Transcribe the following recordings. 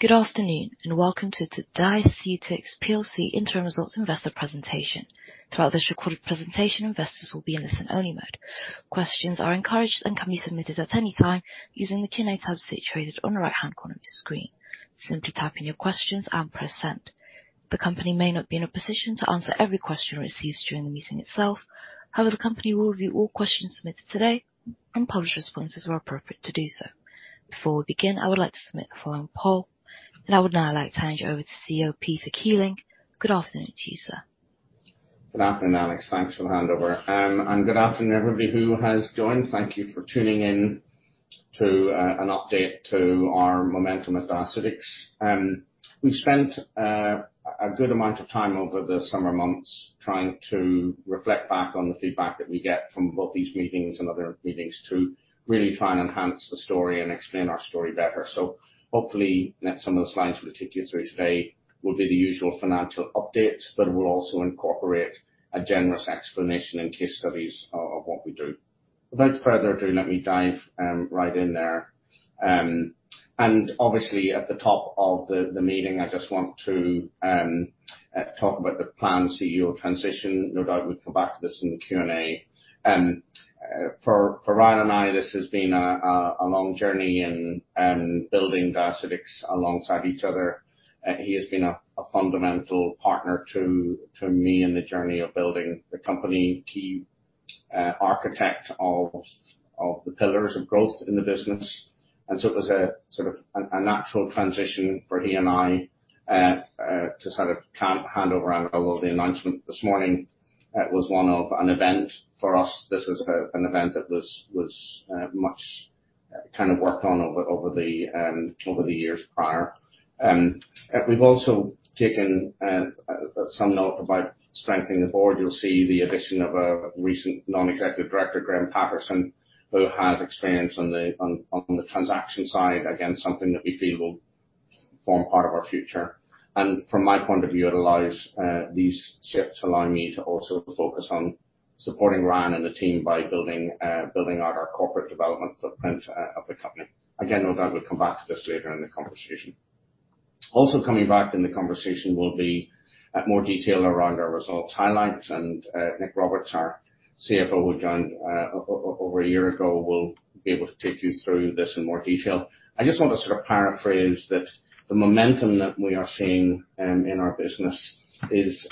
Good afternoon, and welcome to the Diaceutics PLC interim results investor presentation. Throughout this recorded presentation, investors will be in listen-only mode. Questions are encouraged and can be submitted at any time using the Q&A tab situated on the right-hand corner of your screen. Simply type in your questions and press Send. The company may not be in a position to answer every question received during the meeting itself. However, the company will review all questions submitted today and publish responses where appropriate to do so. Before we begin, I would like to submit the following poll, and I would now like to hand you over to CEO, Peter Keeling. Good afternoon to you, sir. Good afternoon, Alex. Thanks for the handover. Good afternoon, everybody who has joined. Thank you for tuning in to an update to our momentum at Diaceutics. We've spent a good amount of time over the summer months trying to reflect back on the feedback that we get from both these meetings and other meetings, to really try and enhance the story and explain our story better. So hopefully, some of the slides we'll take you through today will be the usual financial updates, but will also incorporate a generous explanation and case studies of what we do. Without further ado, let me dive right in there. Obviously, at the top of the meeting, I just want to talk about the planned CEO transition. No doubt we'll come back to this in the Q&A. For Ryan and I, this has been a long journey in building Diaceutics alongside each other. He has been a fundamental partner to me in the journey of building the company, key architect of the pillars of growth in the business. And so it was a sort of a natural transition for he and I to sort of hand over. And although the announcement this morning was one of an event for us, this is an event that was much kind of worked on over the years prior. We've also taken some note about strengthening the board. You'll see the addition of a recent Non-Executive Director, Graham Paterson, who has experience on the transaction side. Again, something that we feel will form part of our future. From my point of view, it allows. These shifts allow me to also focus on supporting Ryan and the team by building out our corporate development footprint of the company. Again, no doubt we'll come back to this later in the conversation. Also coming back in the conversation will be more detail around our results, highlights, and Nick Roberts, our CFO, who joined over a year ago, will be able to take you through this in more detail. I just want to sort of paraphrase that the momentum that we are seeing in our business is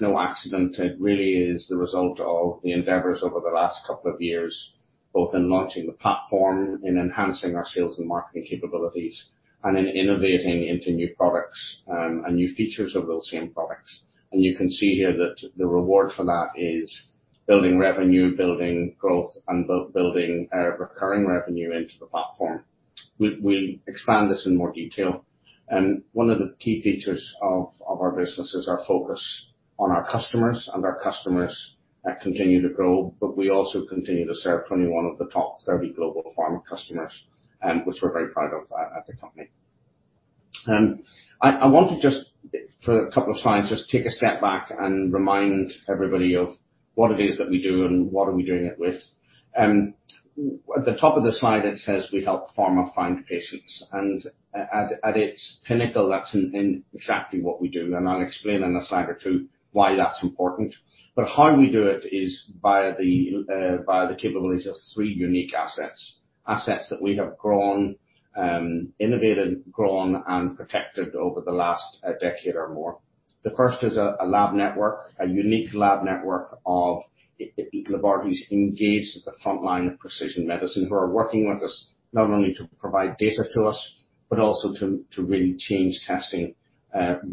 no accident. It really is the result of the endeavors over the last couple of years, both in launching the platform, in enhancing our sales and marketing capabilities, and in innovating into new products, and new features of those same products. You can see here that the reward for that is building revenue, building growth, and building recurring revenue into the platform. We'll expand this in more detail. One of the key features of our business is our focus on our customers, and our customers continue to grow, but we also continue to serve 21 of the top 30 global pharma customers, which we're very proud of at the company. I want to just, for a couple of slides, just take a step back and remind everybody of what it is that we do and what are we doing it with. At the top of the slide, it says, "We help pharma find patients." And at its pinnacle, that's exactly what we do, and I'll explain in a slide or two why that's important. But how we do it is via the capabilities of three unique assets. Assets that we have grown, innovated, grown, and protected over the last decade or more. The first is a lab network, a unique lab network of laboratories engaged at the frontline of precision medicine, who are working with us, not only to provide data to us, but also to really change testing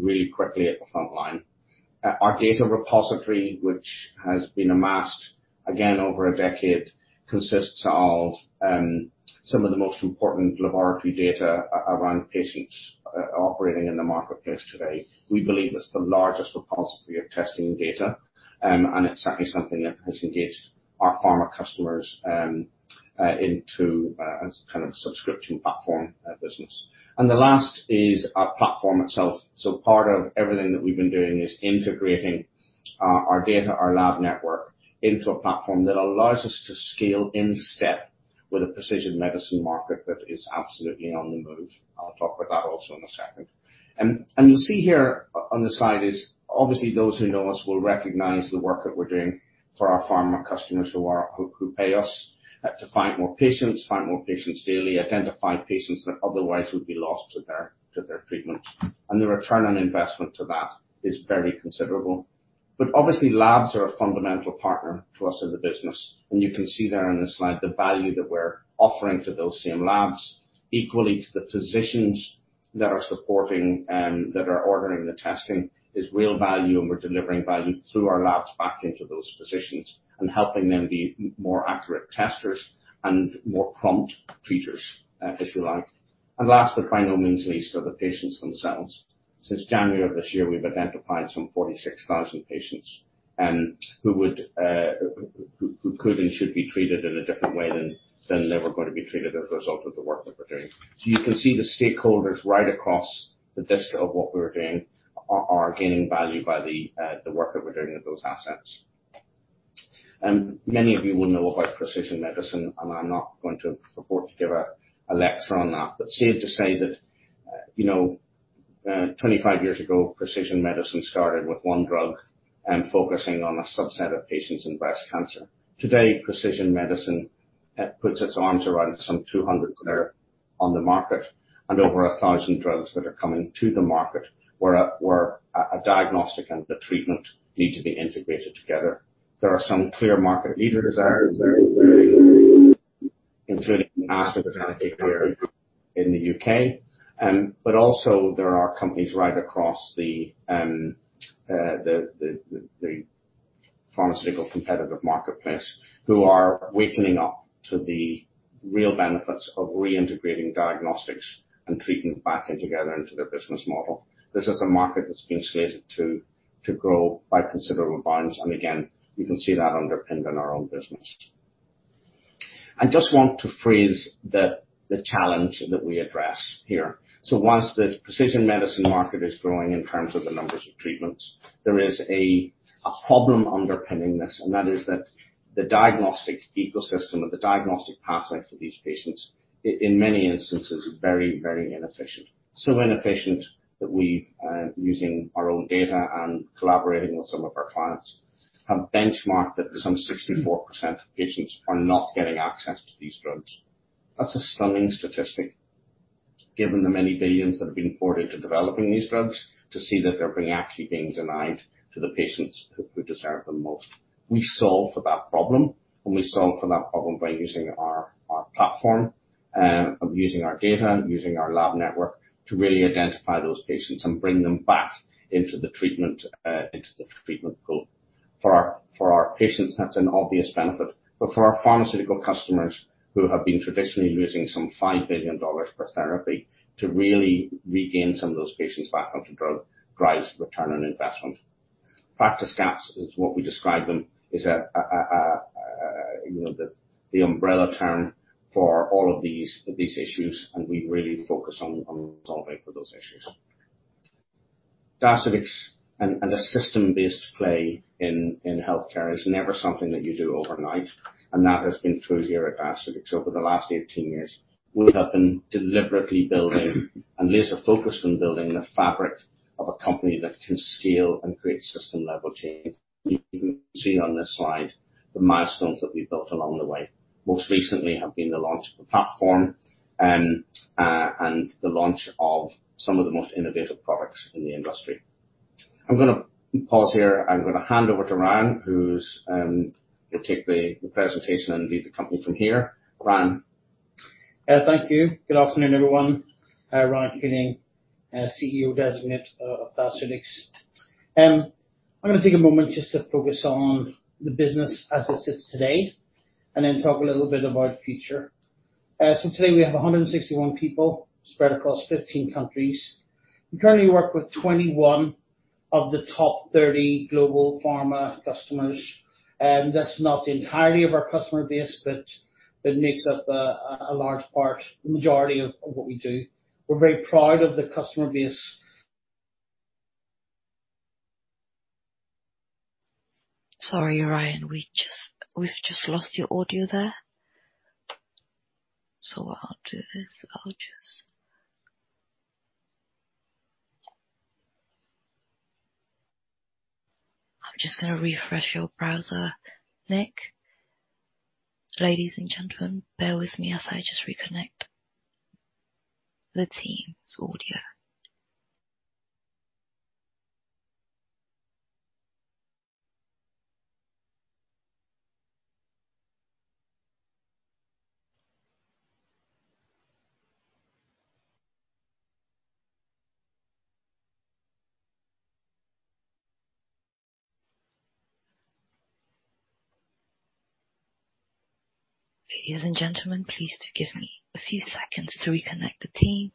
really quickly at the frontline. Our data repository, which has been amassed again, over a decade, consists of some of the most important laboratory data around patients operating in the marketplace today. We believe it's the largest repository of testing data, and exactly something that has engaged our pharma customers into a kind of subscription platform business. And the last is our platform itself. So part of everything that we've been doing is integrating our data, our lab network, into a platform that allows us to scale in step with the precision medicine market that is absolutely on the move. I'll talk about that also in a second. And you'll see here on the slide is obviously those who know us will recognize the work that we're doing for our pharma customers, who pay us to find more patients, find more patients daily, identify patients that otherwise would be lost to their treatment. And the return on investment to that is very considerable. But obviously, labs are a fundamental partner to us in the business, and you can see there on the slide, the value that we're offering to those same labs. Equally, to the physicians that are supporting, that are ordering the testing, is real value, and we're delivering value through our labs back into those physicians, and helping them be more accurate testers and more prompt treaters, if you like. And last, but by no means least, are the patients themselves. Since January of this year, we've identified some 46,000 patients, who could and should be treated in a different way than they were going to be treated as a result of the work that we're doing. So you can see the stakeholders right across the disk of what we are doing are gaining value by the work that we're doing with those assets. Many of you will know about precision medicine, and I'm not going to purport to give a lecture on that. But safe to say that, you know, 25 years ago, precision medicine started with one drug and focusing on a subset of patients in breast cancer. Today, precision medicine puts its arms around some 200 drugs on the market and over 1,000 drugs that are coming to the market, where a diagnostic and the treatment need to be integrated together. There are some clear market leader desires. In the U.K. But also there are companies right across the pharmaceutical competitive marketplace who are waking up to the real benefits of reintegrating diagnostics and treatment back in together into their business model. This is a market that's been slated to grow by considerable bounds, and again, you can see that underpinned in our own business. I just want to phrase the challenge that we address here. So once the precision medicine market is growing in terms of the numbers of treatments, there is a problem underpinning this, and that is that the diagnostic ecosystem or the diagnostic pathway for these patients, in many instances, is very, very inefficient. So inefficient that we've, using our own data and collaborating with some of our clients, have benchmarked that some 64% of patients are not getting access to these drugs. That's a stunning statistic, given the many billions that have been poured into developing these drugs to see that they're being actually denied to the patients who deserve them most. We solve for that problem, and we solve for that problem by using our platform of using our data, using our lab network, to really identify those patients and bring them back into the treatment into the treatment pool. For our patients, that's an obvious benefit. But for our pharmaceutical customers who have been traditionally using some $5 billion per therapy to really regain some of those patients back onto drug, drives return on investment. Practice gaps is what we describe them, is a you know the umbrella term for all of these issues, and we really focus on solving for those issues. Diaceutics and a system-based play in healthcare is never something that you do overnight, and that has been true here at Diaceutics. Over the last 18 years, we have been deliberately building and laser-focused on building the fabric of a company that can scale and create system-level change. You can see on this slide, the milestones that we've built along the way. Most recently have been the launch of the platform, and the launch of some of the most innovative products in the industry. I'm gonna pause here. I'm gonna hand over to Ryan, who's will take the presentation and lead the company from here. Ryan? Thank you. Good afternoon, everyone. Ryan Keeling, CEO Designate, of Diaceutics. I'm gonna take a moment just to focus on the business as it sits today, and then talk a little bit about the future. So today we have 161 people spread across 15 countries. We currently work with 21 of the top 30 global pharma customers, and that's not the entirety of our customer base, but it makes up a large part, the majority of what we do. We're very proud of the customer base. Sorry, Ryan. We just we've just lost your audio there. So what I'll do is, I'll just... I'm just gonna refresh your browser, Nick. Ladies and gentlemen, bear with me as I just reconnect the team's audio. Ladies and gentlemen, please give me a few seconds to reconnect the team.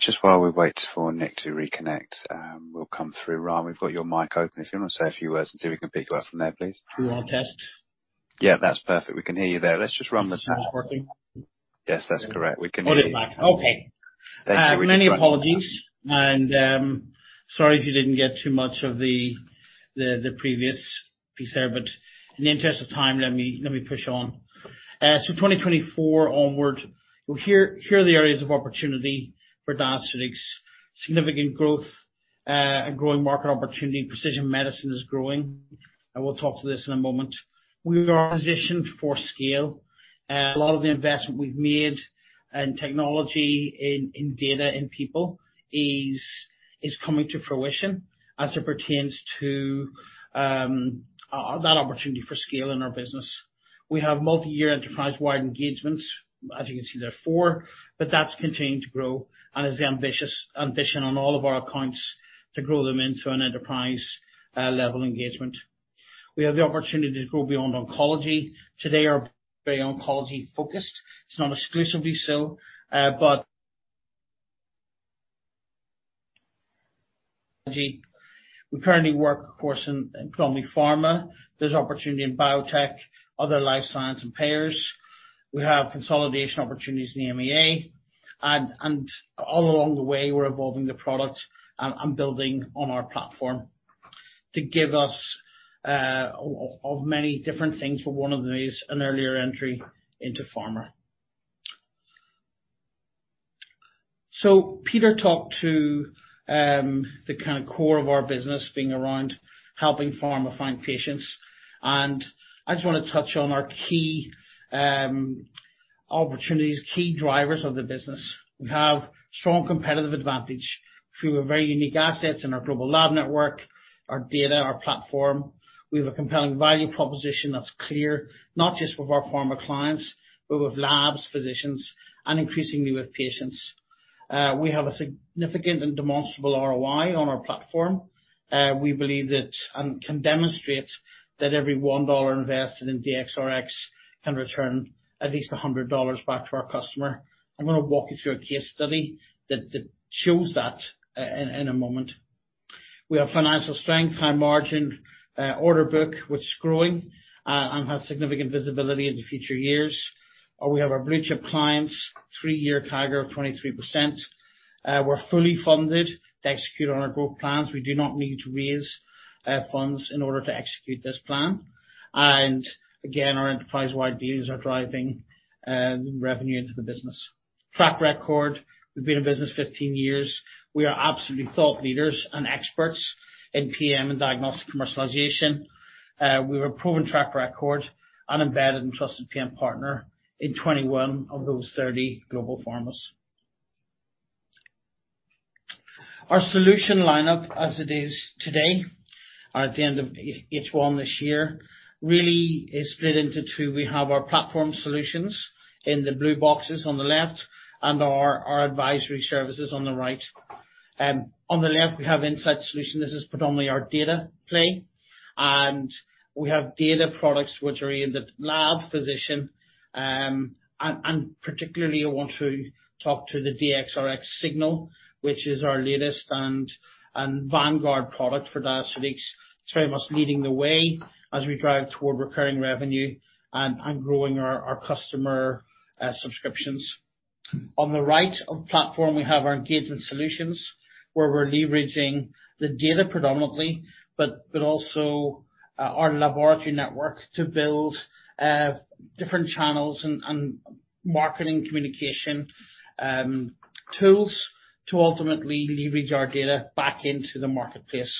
Just while we wait for Nick to reconnect, we'll come through. Ryan, we've got your mic open, if you want to say a few words and see if we can pick you up from there, please. Do you want a test? Yeah, that's perfect. We can hear you there. Let's just run the test. It's working? Yes, that's correct. We can hear you. Okay. Thank you very much. Many apologies, and sorry if you didn't get too much of the previous piece there, but in the interest of time, let me push on. So 2024 onward, here are the areas of opportunity for Diaceutics. Significant growth, a growing market opportunity, precision medicine is growing, and we'll talk to this in a moment. We are positioned for scale. A lot of the investment we've made in technology, in data, in people, is coming to fruition as it pertains to that opportunity for scale in our business. We have multi-year enterprise-wide engagements. As you can see, there are four, but that's continuing to grow and is the ambition on all of our accounts, to grow them into an enterprise level engagement. We have the opportunity to grow beyond oncology. Today, we are very oncology-focused. It's not exclusively so, but we currently work, of course, in pharma. There's opportunity in biotech, other life science and payers. We have consolidation opportunities in the EMEA, and all along the way, we're evolving the product and building on our platform to give us of many different things, but one of them is an earlier entry into pharma. So Peter talked to the kind of core of our business being around helping pharma find patients, and I just want to touch on our key opportunities, key drivers of the business. We have strong competitive advantage through our very unique assets in our global lab network, our data, our platform. We have a compelling value proposition that's clear, not just with our pharma clients, but with labs, physicians, and increasingly with patients. We have a significant and demonstrable ROI on our platform. We believe that, and can demonstrate, that every $1 invested in DXRX can return at least $100 back to our customer. I'm gonna walk you through a case study that shows that in a moment. We have financial strength, high margin, order book, which is growing, and has significant visibility into future years. We have our blue-chip clients, three year CAGR of 23%. We're fully funded to execute on our growth plans. We do not need to raise funds in order to execute this plan. And again, our enterprise-wide deals are driving revenue into the business. Track record, we've been in business 15 years. We are absolutely thought leaders and experts in PM and diagnostic commercialization. We have a proven track record and embedded and trusted PM partner in 21 of those 30 global pharmas. Our solution lineup, as it is today, or at the end of H1 this year, really is split into two. We have our platform solutions in the blue boxes on the left and our advisory services on the right. On the left, we have insight solution. This is predominantly our data play, and we have data products which are in the lab physician, and particularly, I want to talk to the DXRX Signal, which is our latest and vanguard product for Diaceutics. It's very much leading the way as we drive toward recurring revenue and growing our customer subscriptions. On the right of the platform, we have our engagement solutions, where we're leveraging the data predominantly, but also our laboratory network to build different channels and marketing communication tools to ultimately leverage our data back into the marketplace.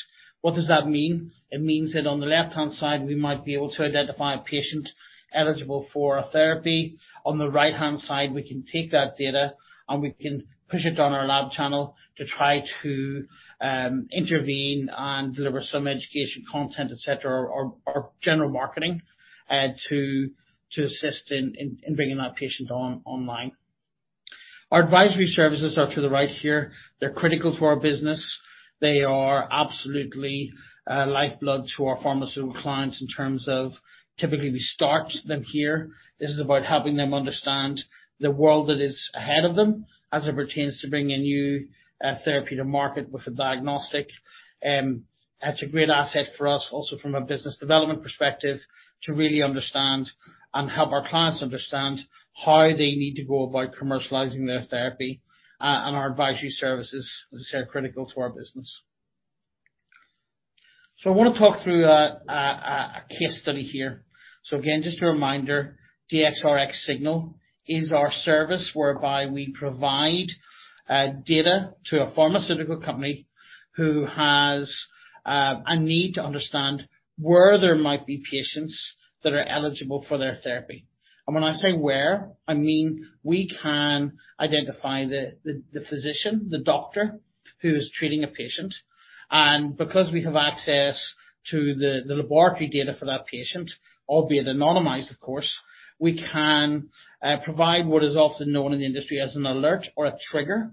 What does that mean? It means that on the left-hand side, we might be able to identify a patient eligible for a therapy. On the right-hand side, we can take that data, and we can push it down our lab channel to try to intervene and deliver some education, content, et cetera, or general marketing to assist in bringing that patient online. Our advisory services are to the right here. They're critical to our business. They are absolutely lifeblood to our pharmaceutical clients in terms of typically, we start them here. This is about helping them understand the world that is ahead of them as it pertains to bringing new therapy to market with a diagnostic. That's a great asset for us, also from a business development perspective, to really understand and help our clients understand how they need to go about commercializing their therapy. And our advisory services, as I said, are critical to our business. So I want to talk through a case study here. So again, just a reminder, DXRX Signal is our service whereby we provide data to a pharmaceutical company who has a need to understand where there might be patients that are eligible for their therapy. And when I say where, I mean, we can identify the physician, the doctor who is treating a patient. Because we have access to the laboratory data for that patient, albeit anonymized, of course, we can provide what is also known in the industry as an alert or a trigger,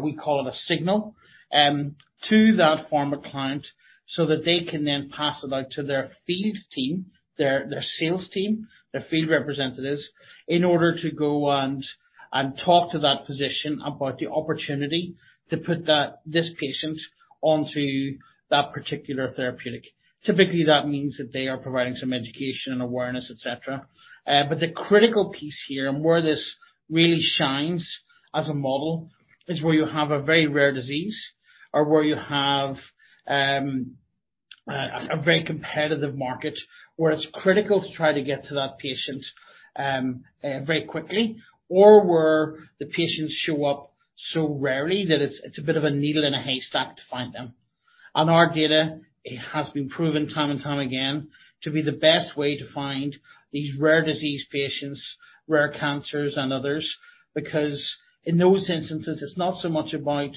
we call it a signal, to that pharma client so that they can then pass it out to their field team, their sales team, their field representatives, in order to go and talk to that physician about the opportunity to put that this patient onto that particular therapeutic. Typically, that means that they are providing some education and awareness, et cetera. But the critical piece here, and where this really shines as a model, is where you have a very rare disease or where you have a very competitive market, where it's critical to try to get to that patient very quickly, or where the patients show up so rarely that it's a bit of a needle in a haystack to find them. On our data, it has been proven time and time again to be the best way to find these rare disease patients, rare cancers and others, because in those instances, it's not so much about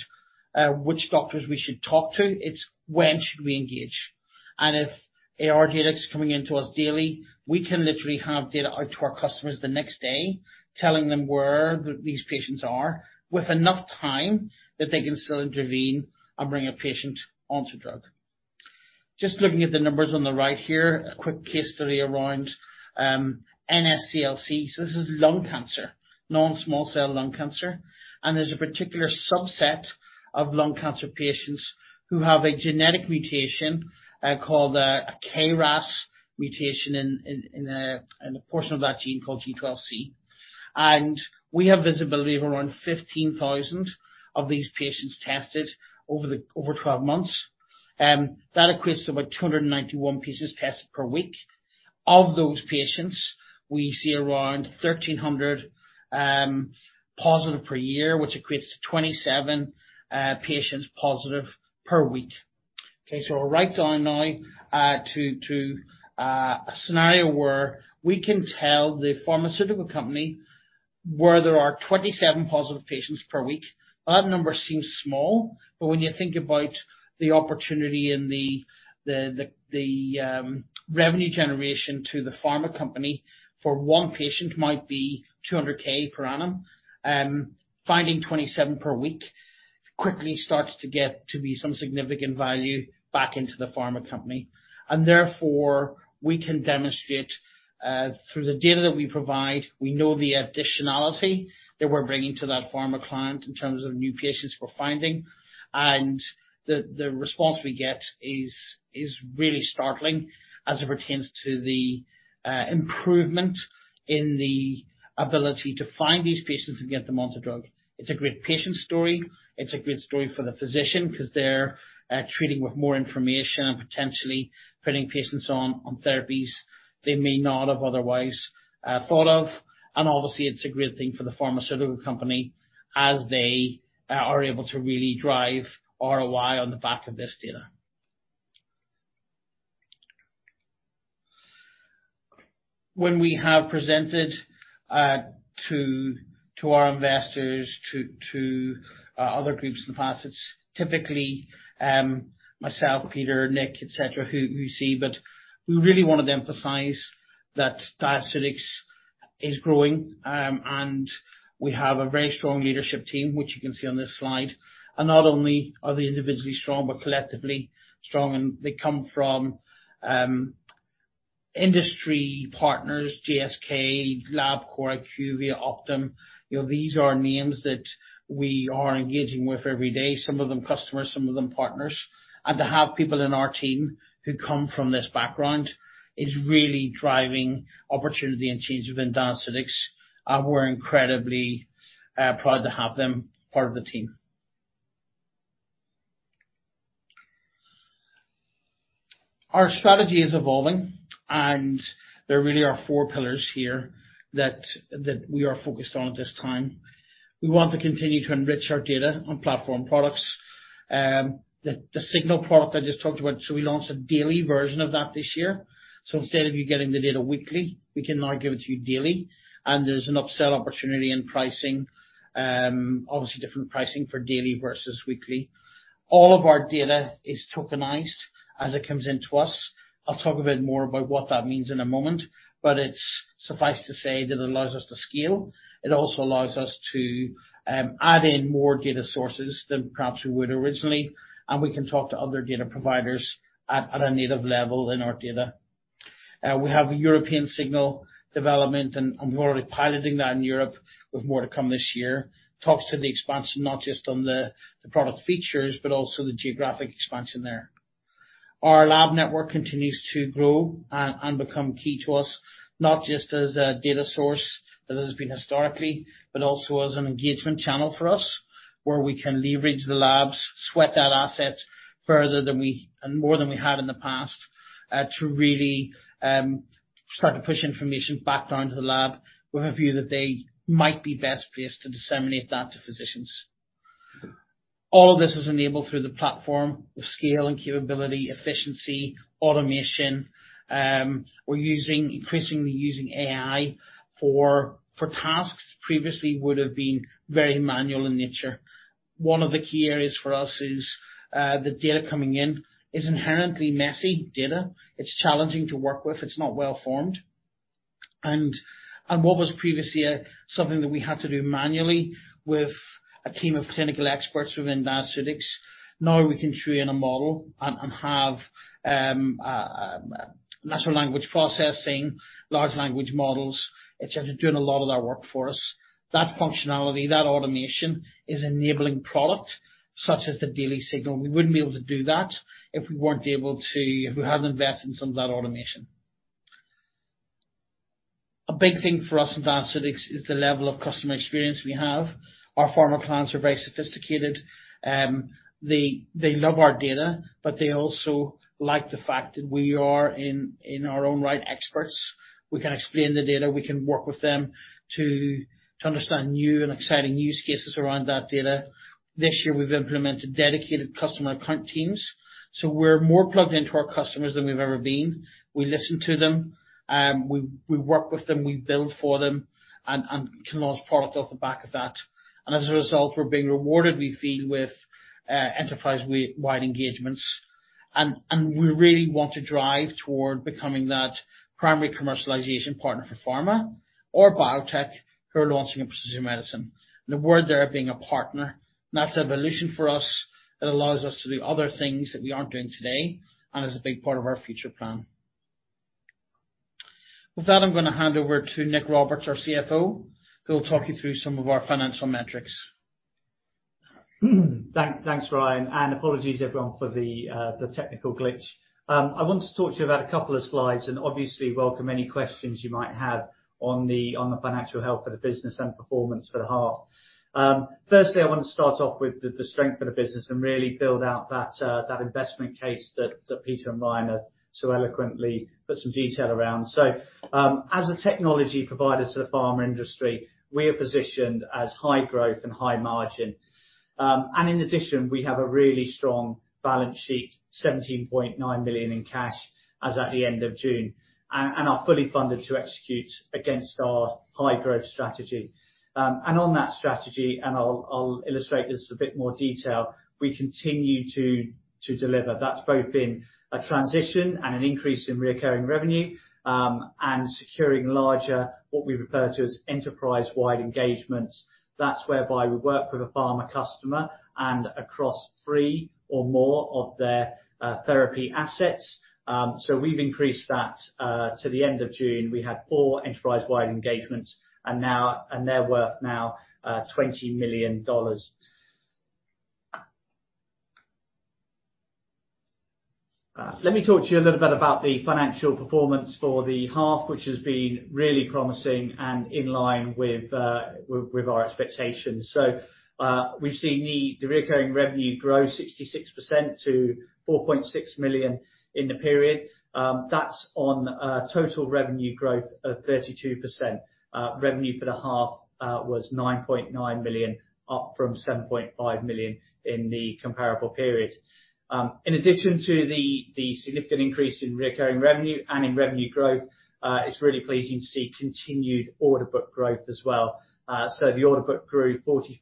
which doctors we should talk to, it's when should we engage. If our data is coming into us daily, we can literally have data out to our customers the next day, telling them where these patients are, with enough time that they can still intervene and bring a patient onto drug. Just looking at the numbers on the right here, a quick case study around NSCLC. So this is lung cancer, non-small cell lung cancer, and there's a particular subset of lung cancer patients who have a genetic mutation called a KRAS mutation in a portion of that gene called G12C. And we have visibility of around 15,000 of these patients tested over 12 months that equates to about 291 patients tested per week. Of those patients, we see around 1,300 positive per year, which equates to 27 patients positive per week. Okay, so we're right down now to a scenario where we can tell the pharmaceutical company where there are 27 positive patients per week. That number seems small, but when you think about the opportunity and the revenue generation to the pharma company for one patient might be $200,000 per annum, finding 27 per week quickly starts to get to be some significant value back into the pharma company. And therefore, we can demonstrate through the data that we provide, we know the additionality that we're bringing to that pharma client in terms of new patients we're finding. And the response we get is really startling as it pertains to the improvement in the ability to find these patients and get them onto drug. It's a great patient story. It's a great story for the physician because they're treating with more information and potentially putting patients on therapies they may not have otherwise thought of. And obviously, it's a great thing for the pharmaceutical company as they are able to really drive ROI on the back of this data. When we have presented to our investors to other groups in the past, it's typically myself, Peter, Nick, et cetera, who see, but we really wanted to emphasize that Diaceutics is growing and we have a very strong leadership team, which you can see on this slide. And not only are they individually strong, but collectively strong, and they come from industry partners, GSK, Labcorp, IQVIA, Optum. You know, these are names that we are engaging with every day, some of them customers, some of them partners. To have people in our team who come from this background is really driving opportunity and change within Diaceutics, and we're incredibly proud to have them part of the team. Our strategy is evolving, and there really are four pillars here that we are focused on at this time. We want to continue to enrich our data on platform products. The Signal product I just talked about, so we launched a daily version of that this year. So instead of you getting the data weekly, we can now give it to you daily, and there's an upsell opportunity in pricing. Obviously, different pricing for daily versus weekly. All of our data is tokenized as it comes into us. I'll talk a bit more about what that means in a moment, but it suffices to say that it allows us to scale. It also allows us to add in more data sources than perhaps we would originally, and we can talk to other data providers at a native level in our data. We have a European Signal development, and we're already piloting that in Europe with more to come this year. Talks to the expansion, not just on the product features, but also the geographic expansion there. Our lab network continues to grow and become key to us, not just as a data source, that it has been historically, but also as an engagement channel for us, where we can leverage the labs, sweat that asset further than we and more than we had in the past, to really start to push information back down to the lab. We have a view that they might be best placed to disseminate that to physicians. All of this is enabled through the platform of scale and capability, efficiency, automation. We're increasingly using AI for tasks previously would have been very manual in nature. One of the key areas for us is the data coming in is inherently messy data. It's challenging to work with. It's not well-formed. What was previously something that we had to do manually with a team of clinical experts within Diaceutics, now we can train a model and have natural language processing, large language models, et cetera, doing a lot of that work for us. That functionality, that automation is enabling product such as the daily Signal. We wouldn't be able to do that if we hadn't invested in some of that automation. A big thing for us in Advanced Analytics is the level of customer experience we have. Our pharma clients are very sophisticated. They love our data, but they also like the fact that we are in our own right experts. We can explain the data, we can work with them to understand new and exciting use cases around that data. This year, we've implemented dedicated customer account teams, so we're more plugged into our customers than we've ever been. We listen to them, we work with them, we build for them, and can launch product off the back of that. And as a result, we're being rewarded, we feel, with enterprise-wide engagements. And we really want to drive toward becoming that primary commercialization partner for pharma or biotech who are launching a precision medicine. The word there being a partner, that's evolution for us. It allows us to do other things that we aren't doing today, and is a big part of our future plan. With that, I'm gonna hand over to Nick Roberts, our CFO, who will talk you through some of our financial metrics. Thanks, Ryan, and apologies everyone, for the technical glitch. I want to talk to you about a couple of slides, and obviously welcome any questions you might have on the financial health of the business and performance for the half. Firstly, I want to start off with the strength of the business and really build out that investment case that Peter and Ryan have so eloquently put some detail around. So, as a technology provider to the pharma industry, we are positioned as high growth and high margin. And in addition, we have a really strong balance sheet, 17.9 million in cash, as at the end of June, and are fully funded to execute against our high growth strategy. And on that strategy, and I'll, I'll illustrate this in a bit more detail, we continue to, to deliver. That's both been a transition and an increase in recurring revenue, and securing larger, what we refer to as enterprise-wide engagements. That's whereby we work with a pharma customer and across three or more of their, therapy assets. So we've increased that. To the end of June, we had 4 enterprise-wide engagements, and now, and they're worth now, $20 million. Let me talk to you a little bit about the financial performance for the half, which has been really promising and in line with, with, with our expectations. So, we've seen the, the recurring revenue grow 66% to $4.6 million in the period. That's on, total revenue growth of 32%. Revenue for the half was 9.9 million, up from 7.5 million in the comparable period. In addition to the significant increase in recurring revenue and in revenue growth, it's really pleasing to see continued order book growth as well. So the order book grew 43%,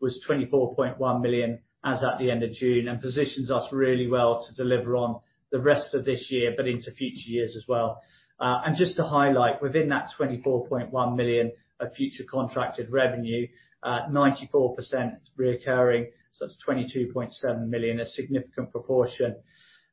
was 24.1 million, as at the end of June, and positions us really well to deliver on the rest of this year, but into future years as well. And just to highlight, within that 24.1 million of future contracted revenue, 94% recurring, so that's 22.7 million, a significant proportion.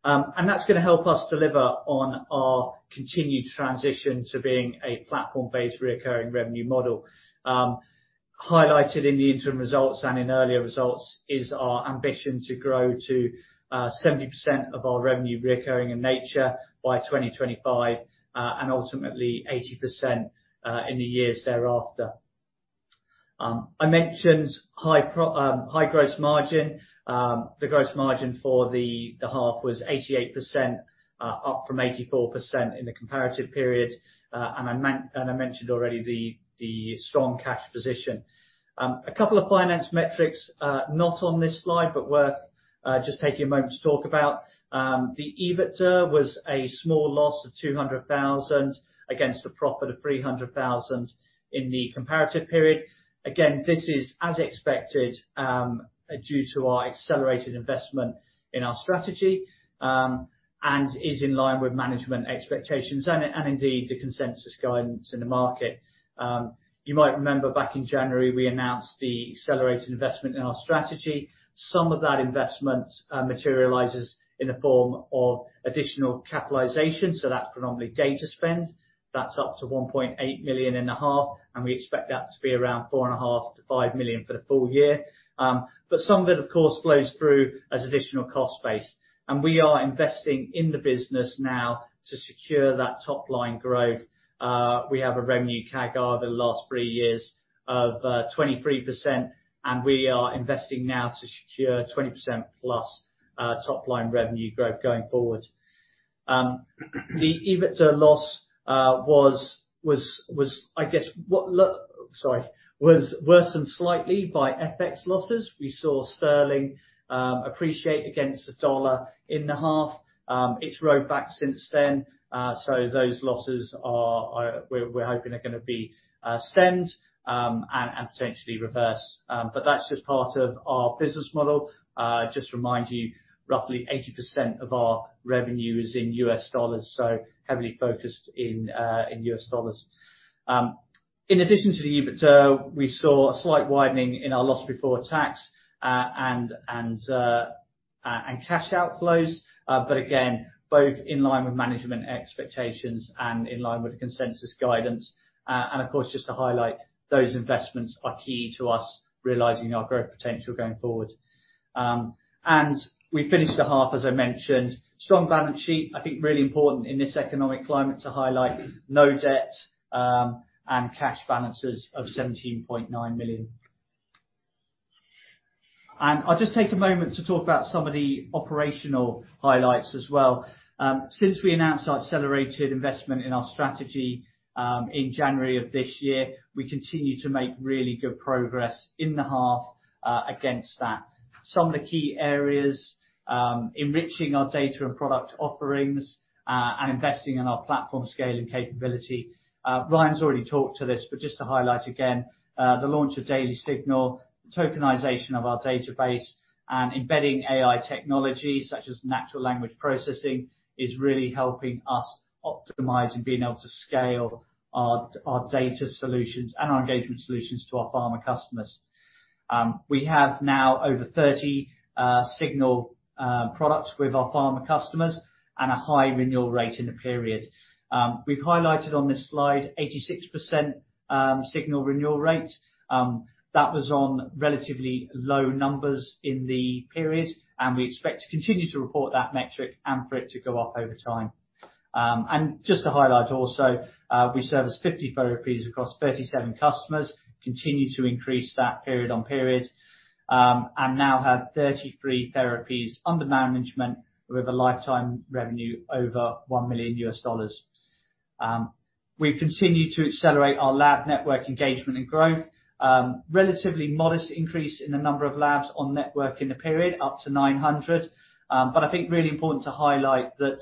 And that's gonna help us deliver on our continued transition to being a platform-based recurring revenue model. Highlighted in the interim results and in earlier results is our ambition to grow to 70% of our revenue recurring in nature by 2025, and ultimately 80% in the years thereafter. I mentioned high gross margin. The gross margin for the half was 88%, up from 84% in the comparative period. And I mentioned already the strong cash position. A couple of finance metrics, not on this slide, but worth just taking a moment to talk about. The EBITDA was a small loss of 200,000 against a profit of 300,000 in the comparative period. Again, this is as expected, due to our accelerated investment in our strategy, and is in line with management expectations and, and indeed, the consensus guidance in the market. You might remember back in January, we announced the accelerated investment in our strategy. Some of that investment, materializes in the form of additional capitalization, so that's predominantly data spend. That's up to 1.8 million in the half, and we expect that to be around 4.5 million-5 million for the full year. But some of it, of course, flows through as additional cost base, and we are investing in the business now to secure that top-line growth. We have a revenue CAGR the last three years of, 23%, and we are investing now to secure 20%+, top line revenue growth going forward. The EBITDA loss, I guess, was worsened slightly by FX losses. We saw sterling appreciate against the dollar in the half. It's rowed back since then, so those losses we're hoping are gonna be stemmed and potentially reversed. But that's just part of our business model. Just to remind you, roughly 80% of our revenue is in U.S. dollars, so heavily focused in U.S. dollars. In addition to the EBITDA, we saw a slight widening in our loss before tax and cash outflows. But again, both in line with management expectations and in line with the consensus guidance. And of course, just to highlight, those investments are key to us realizing our growth potential going forward. And we finished the half, as I mentioned, strong balance sheet. I think really important in this economic climate to highlight no debt, and cash balances of 17.9 million. And I'll just take a moment to talk about some of the operational highlights as well. Since we announced our accelerated investment in our strategy, in January of this year, we continue to make really good progress in the half, against that. Some of the key areas, enriching our data and product offerings, and investing in our platform scale and capability. Ryan's already talked to this, but just to highlight again, the launch of DXRX Signal, tokenization of our database, and embedding AI technology such as natural language processing, is really helping us optimize and being able to scale our data solutions and our engagement solutions to our pharma customers. We have now over 30 Signal products with our pharma customers and a high renewal rate in the period. We've highlighted on this slide 86% Signal renewal rate. That was on relatively low numbers in the period, and we expect to continue to report that metric and for it to go up over time. And just to highlight also, we service 50 therapies across 37 customers, continue to increase that period on period, and now have 33 therapies under management with a lifetime revenue over $1 million. We've continued to accelerate our lab network engagement and growth. Relatively modest increase in the number of labs on network in the period, up to 900. But I think really important to highlight that,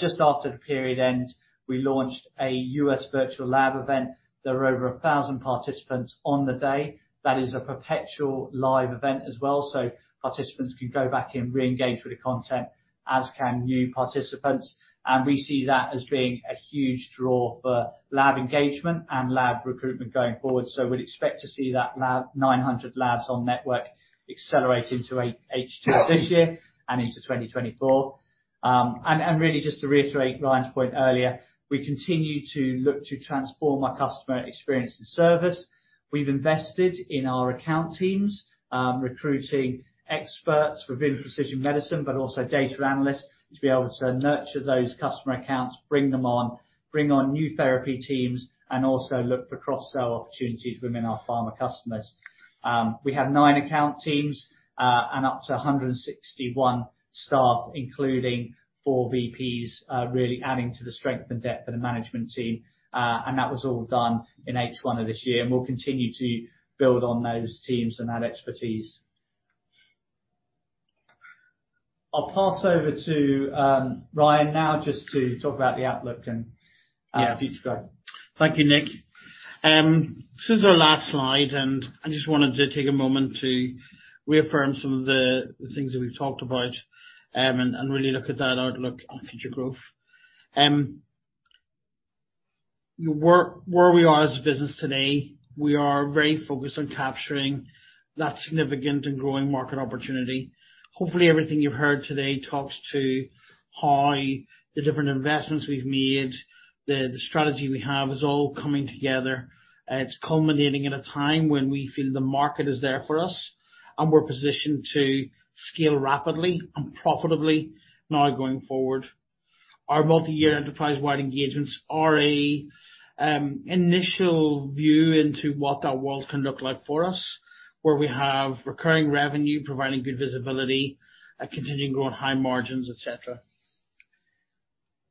just after the period end, we launched a US virtual lab event. There were over 1,000 participants on the day. That is a perpetual live event as well, so participants can go back and re-engage with the content, as can new participants. And we see that as being a huge draw for lab engagement and lab recruitment going forward. So we'd expect to see that lab, 900 labs on network accelerate into H2 this year and into 2024. And really, just to reiterate Ryan's point earlier, we continue to look to transform our customer experience and service. We've invested in our account teams, recruiting experts within precision medicine, but also data analysts, to be able to nurture those customer accounts, bring them on, bring on new therapy teams, and also look for cross-sell opportunities within our pharma customers. We have nine account teams, and up to 161 staff, including four VPs, really adding to the strength and depth of the management team. And that was all done in H1 of this year, and we'll continue to build on those teams and that expertise. I'll pass over to Ryan now just to talk about the outlook and future growth. Thank you, Nick. This is our last slide, and I just wanted to take a moment to reaffirm some of the, the things that we've talked about, and, and really look at that outlook on future growth. Where, where we are as a business today, we are very focused on capturing that significant and growing market opportunity. Hopefully, everything you've heard today talks to how the different investments we've made, the, the strategy we have, is all coming together. It's culminating at a time when we feel the market is there for us, and we're positioned to scale rapidly and profitably now going forward. Our multi-year enterprise-wide engagements are a initial view into what that world can look like for us, where we have recurring revenue, providing good visibility, continuing growing high margins, et cetera.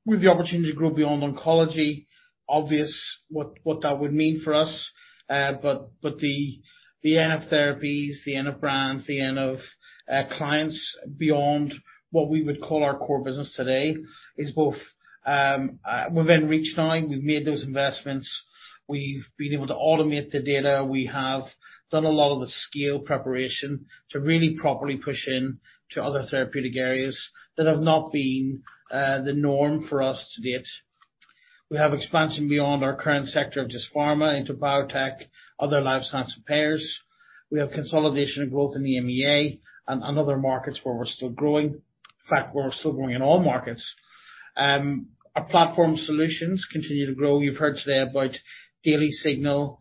With the opportunity to grow beyond oncology, obvious what that would mean for us, but the NF therapies, the NF brands, the NF clients beyond what we would call our core business today, is both. We've enriched now. We've made those investments. We've been able to automate the data. We have done a lot of the scale preparation to really properly push in to other therapeutic areas that have not been the norm for us to date. We have expansion beyond our current sector of just pharma into biotech, other life science payers. We have consolidation and growth in the EMEA and other markets where we're still growing. In fact, we're still growing in all markets. Our platform solutions continue to grow. You've heard today about DXRX Signal,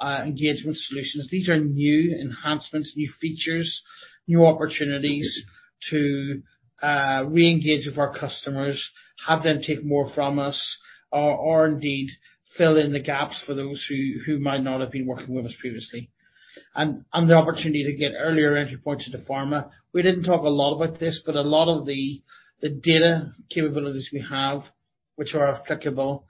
engagement solutions. These are new enhancements, new features, new opportunities to re-engage with our customers, have them take more from us, or indeed fill in the gaps for those who might not have been working with us previously. And the opportunity to get earlier entry points into pharma. We didn't talk a lot about this, but a lot of the data capabilities we have, which are applicable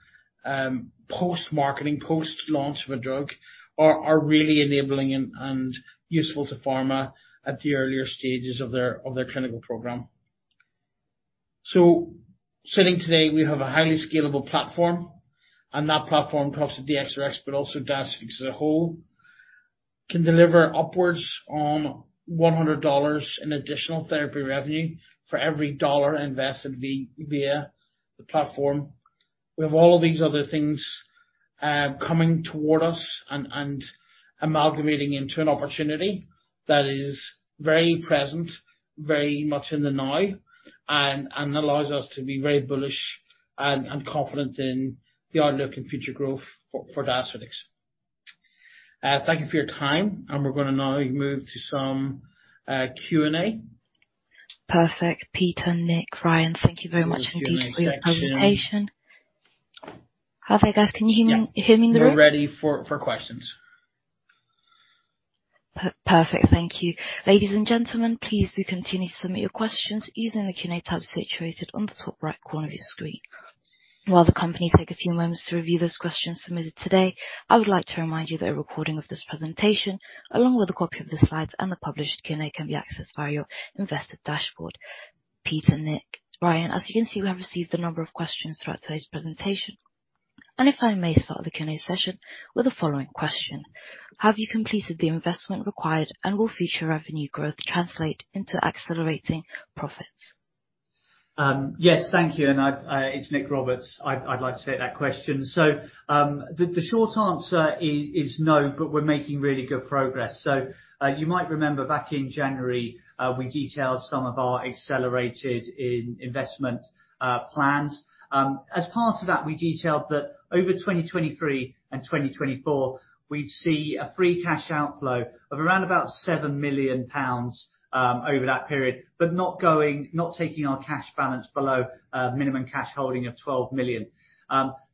post-marketing, post-launch of a drug, are really enabling and useful to pharma at the earlier stages of their clinical program. So sitting today, we have a highly scalable platform, and that platform comes with DXRX, but also Diaceutics as a whole, can deliver upwards on $100 in additional therapy revenue for every $1 invested via the platform. We have all of these other things coming toward us and, and amalgamating into an opportunity that is very present, very much in the now, and, and allows us to be very bullish and, and confident in the outlook and future growth for, for Diaceutics. Thank you for your time, and we're gonna now move to some Q&A. Perfect. Peter, Nick, Ryan, thank you very much indeed for your presentation. How are you guys? Can you hear me, hear me in the room? Yeah. We're ready for questions. Perfect. Thank you. Ladies and gentlemen, please do continue to submit your questions using the Q&A tab situated on the top right corner of your screen. While the company take a few moments to review those questions submitted today, I would like to remind you that a recording of this presentation, along with a copy of the slides and the published Q&A, can be accessed via your Investor dashboard. Peter, Nick, Ryan, as you can see, we have received a number of questions throughout today's presentation. If I may start the Q&A session with the following question: Have you completed the investment required, and will future revenue growth translate into accelerating profits? Yes. Thank you, and It's Nick Roberts. I'd like to take that question. So, the short answer is no, but we're making really good progress. So, you might remember back in January, we detailed some of our accelerated investment plans. As part of that, we detailed that over 2023 and 2024, we'd see a free cash outflow of around about 7 million pounds over that period, but not taking our cash balance below a minimum cash holding of 12 million.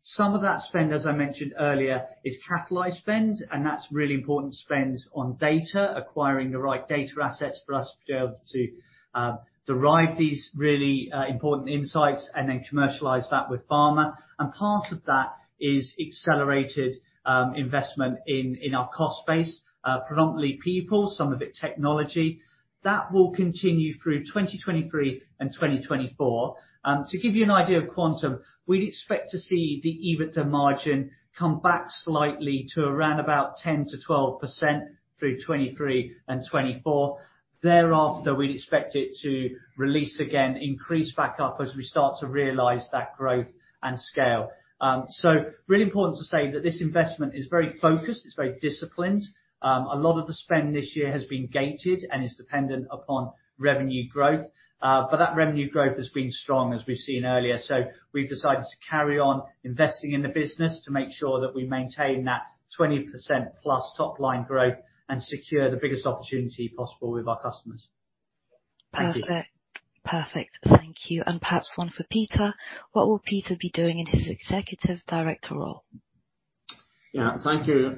Some of that spend, as I mentioned earlier, is capitalized spend, and that's really important spend on data, acquiring the right data assets for us to be able to derive these really important insights and then commercialize that with pharma. And part of that is accelerated investment in our cost base, predominantly people, some of it technology. That will continue through 2023 and 2024. To give you an idea of quantum, we'd expect to see the EBITDA margin come back slightly to around about 10%-12% through 2023 and 2024. Thereafter, we'd expect it to release again, increase back up as we start to realize that growth and scale. So really important to say that this investment is very focused, it's very disciplined. A lot of the spend this year has been gated and is dependent upon revenue growth. But that revenue growth has been strong, as we've seen earlier. We've decided to carry on investing in the business to make sure that we maintain that 20%+ top line growth and secure the biggest opportunity possible with our customers. Perfect. Thank you. Perfect. Thank you, and perhaps one for Peter. What will Peter be doing in his Executive Director role? Yeah, thank you.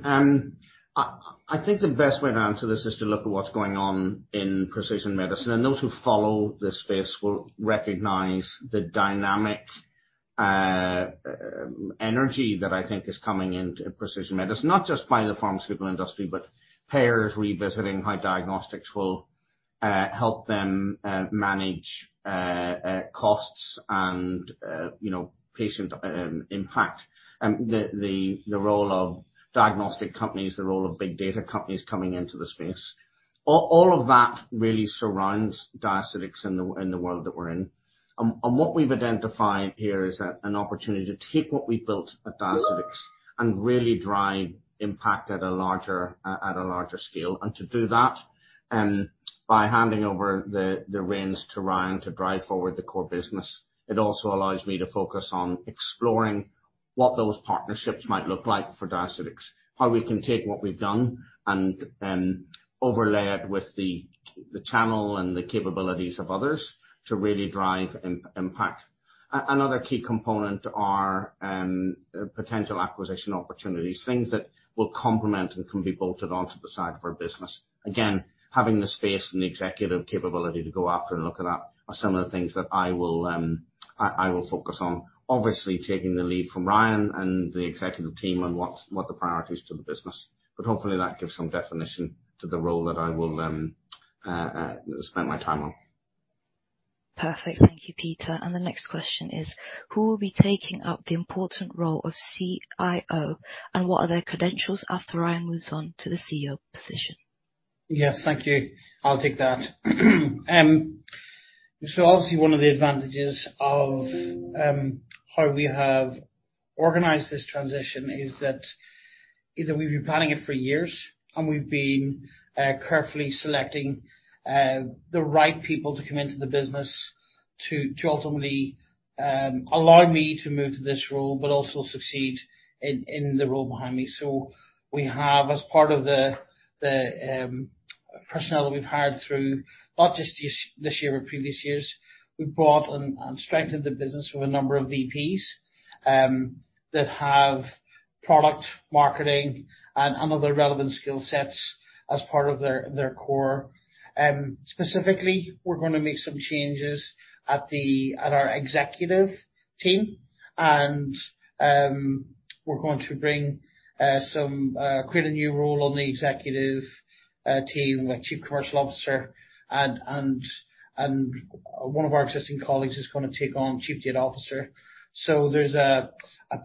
I think the best way to answer this is to look at what's going on in precision medicine, and those who follow this space will recognize the dynamic energy that I think is coming into precision medicine. Not just by the pharmaceutical industry, but payers revisiting how diagnostics will help them manage costs and you know, patient impact. The role of diagnostic companies, the role of big data companies coming into the space. All of that really surrounds Diaceutics in the world that we're in. And what we've identified here is an opportunity to take what we've built at Diaceutics and really drive impact at a larger scale. To do that, by handing over the reins to Ryan to drive forward the core business. It also allows me to focus on exploring what those partnerships might look like for Diaceutics. How we can take what we've done and overlay it with the channel and the capabilities of others to really drive impact. Another key component are potential acquisition opportunities, things that will complement and can be bolted onto the side of our business. Again, having the space and the executive capability to go after and look at that are some of the things that I will focus on. Obviously, taking the lead from Ryan and the Executive team on what's the priority is to the business. But hopefully, that gives some definition to the role that I will spend my time on. Perfect. Thank you, Peter. The next question is: Who will be taking up the important role of CIO, and what are their credentials after Ryan moves on to the CEO position? Yes. Thank you. I'll take that. So obviously, one of the advantages of how we have organized this transition is that we've been planning it for years, and we've been carefully selecting the right people to come into the business to ultimately allow me to move to this role, but also succeed in the role behind me. So we have, as part of the personnel that we've hired through, not just this year, but previous years, we've brought on and strengthened the business with a number of VPs that have product marketing and other relevant skill sets as part of their core. Specifically, we're gonna make some changes at our executive team, and we're going to create a new role on the Executive team, a Chief Commercial Officer, and one of our existing colleagues is gonna take on Chief Data Officer. So there's a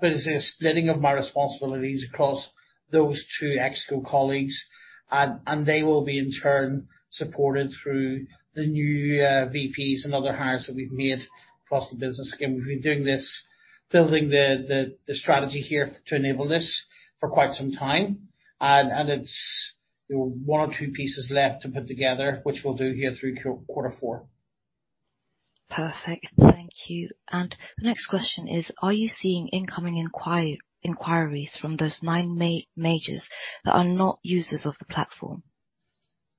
business splitting of my responsibilities across those two ExCo colleagues, and they will be in turn supported through the new VPs and other hires that we've made across the business. Again, we've been doing this, building the strategy here to enable this, for quite some time. And it's one or two pieces left to put together, which we'll do here through quarter four. Perfect. Thank you. The next question is: Are you seeing incoming inquiries from those nine majors that are not users of the platform?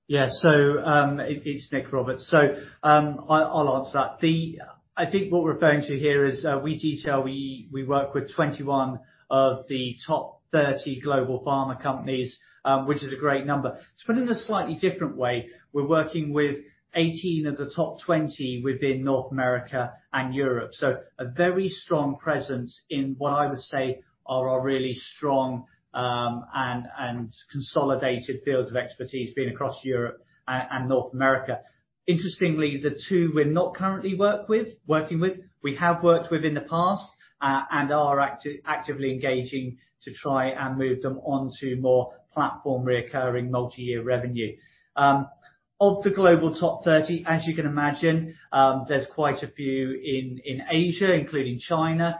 Yeah, so, it's Nick Roberts. So, I'll answer that. I think what we're referring to here is, we detail, we work with 21 of the top 30 global pharma companies, which is a great number. To put it in a slightly different way, we're working with 18 of the top 20 within North America and Europe. So a very strong presence in what I would say are our really strong and consolidated fields of expertise, being across Europe and North America. Interestingly, the two we're not currently working with, we have worked with in the past, and are actively engaging to try and move them on to more platform, recurring, multi-year revenue. Of the global top 30 global pharma companies, as you can imagine, there's quite a few in Asia, including China.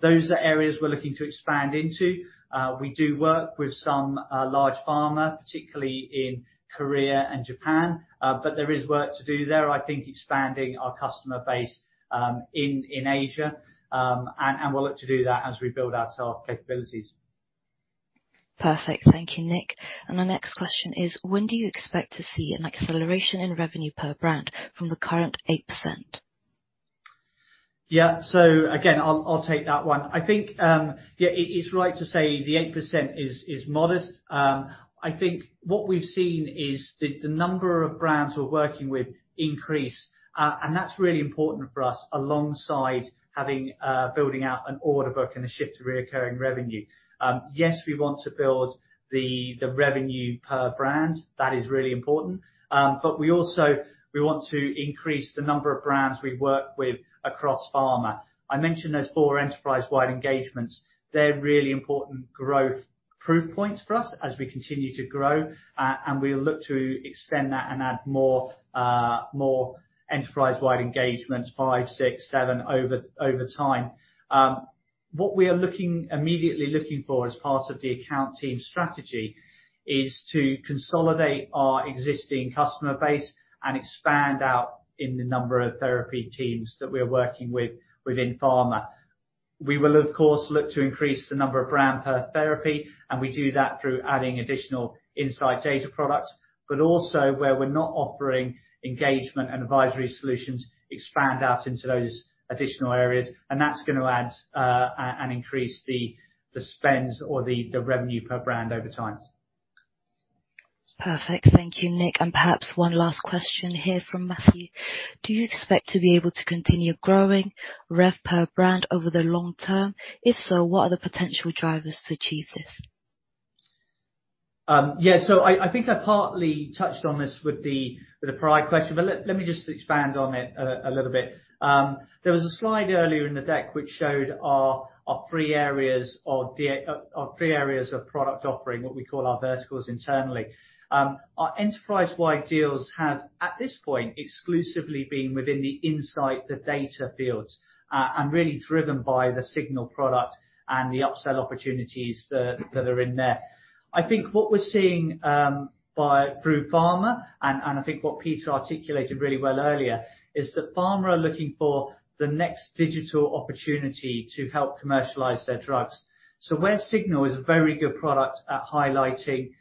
Those are areas we're looking to expand into. We do work with some large pharma, particularly in Korea and Japan, but there is work to do there, I think, expanding our customer base in Asia. And we'll look to do that as we build out our capabilities. Perfect. Thank you, Nick. The next question is: When do you expect to see an acceleration in revenue per brand from the current 8%? Yeah. So again, I'll take that one. I think, yeah, it's right to say the 8% is modest. I think what we've seen is the number of brands we're working with increase. And that's really important for us, alongside building out an order book and a shift to recurring revenue. Yes, we want to build the revenue per brand. That is really important. But we also want to increase the number of brands we work with across pharma. I mentioned those four enterprise-wide engagements. They're really important growth proof points for us as we continue to grow. And we'll look to extend that and add more enterprise-wide engagements, five, six, seven, over time. What we are immediately looking for, as part of the account team strategy, is to consolidate our existing customer base and expand out in the number of therapy teams that we're working with within pharma. We will, of course, look to increase the number of brand per therapy, and we do that through adding additional insight data product, but also, where we're not offering engagement and advisory solutions, expand out into those additional areas. And that's gonna add and increase the spends or the revenue per brand over time. Perfect. Thank you, Nick. And perhaps one last question here from Matthew: Do you expect to be able to continue growing rev per brand over the long term? If so, what are the potential drivers to achieve this? Yeah. So I think I partly touched on this with the prior question, but let me just expand on it a little bit. There was a slide earlier in the deck which showed our three areas of product offering, what we call our verticals internally. Our enterprise-wide deals have, at this point, exclusively been within the insights, the data fields, and really driven by the Signal product and the upsell opportunities that are in there. I think what we're seeing through pharma, and I think what Peter articulated really well earlier, is that pharma are looking for the next digital opportunity to help commercialize their drugs. So where Signal is a very good product at highlighting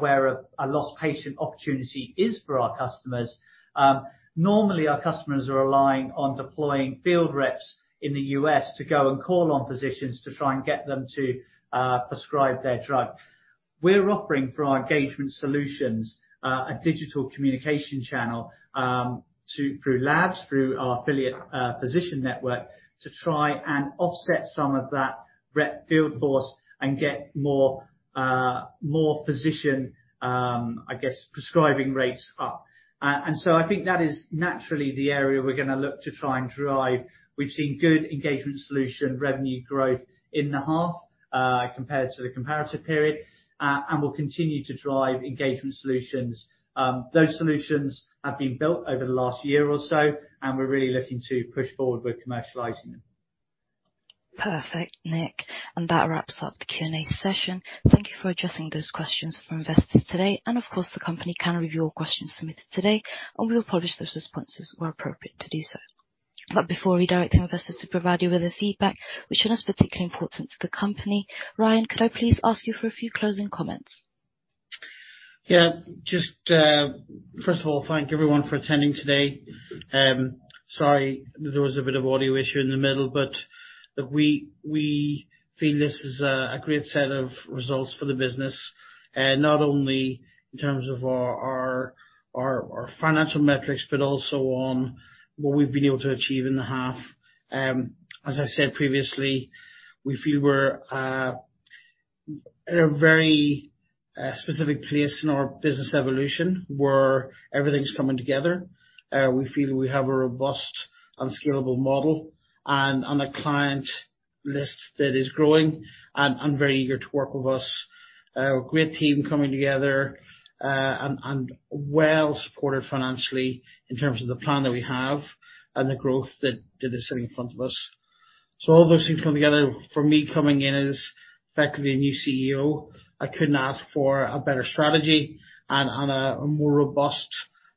where a lost patient opportunity is for our customers, normally, our customers are relying on deploying field reps in the U.S. to go and call on physicians to try and get them to prescribe their drug. We're offering, through our engagement solutions, a digital communication channel through labs, through our affiliate physician network, to try and offset some of that rep field force and get more physician prescribing rates up, I guess. So I think that is naturally the area we're gonna look to try and drive. We've seen good engagement solution revenue growth in the half compared to the comparative period. And we'll continue to drive engagement solutions. Those solutions have been built over the last year or so, and we're really looking to push forward with commercializing them. Perfect, Nick. That wraps up the Q&A session. Thank you for addressing those questions from investors today. Of course, the company can review all questions submitted today, and we'll publish those responses where appropriate to do so. But before redirecting investors to provide you with the feedback which is particularly important to the company, Ryan, could I please ask you for a few closing comments? Yeah. Just, first of all, thank you everyone for attending today. Sorry that there was a bit of audio issue in the middle, but we feel this is a great set of results for the business, not only in terms of our financial metrics, but also on what we've been able to achieve in the half. As I said previously, we feel we're at a very specific place in our business evolution, where everything's coming together. We feel we have a robust and scalable model and a client list that is growing and very eager to work with us. A great team coming together, and well supported financially in terms of the plan that we have and the growth that is sitting in front of us. So all those things coming together, for me, coming in as effectively a new CEO, I couldn't ask for a better strategy and a more robust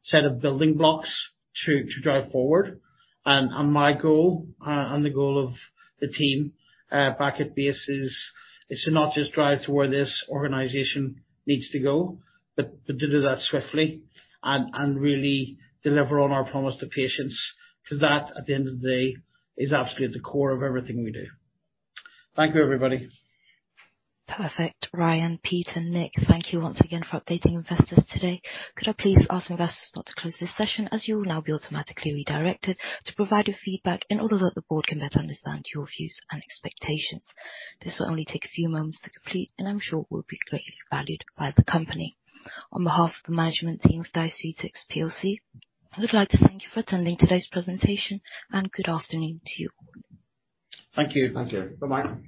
set of building blocks to drive forward. And my goal and the goal of the team back at base is to not just drive to where this organization needs to go, but to do that swiftly and really deliver on our promise to patients, 'cause that, at the end of the day, is absolutely at the core of everything we do. Thank you, everybody. Perfect. Ryan, Peter, and Nick, thank you once again for updating investors today. Could I please ask investors not to close this session, as you'll now be automatically redirected to provide your feedback, in order that the board can better understand your views and expectations. This will only take a few moments to complete, and I'm sure will be greatly valued by the company. On behalf of the management team of Diaceutics PLC, I would like to thank you for attending today's presentation, and good afternoon to you all. Thank you. Thank you. Bye-bye.